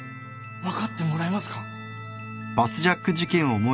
分かってもらえますか？